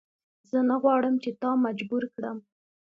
زه نه غواړم چې تا مجبور کړم.